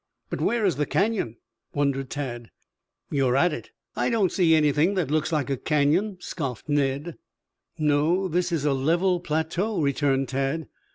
"But where is the Canyon?" wondered Tad. "You're at it." "I don't see anything that looks like a canyon," scoffed Ned. "No, this is a level plateau," returned Tad.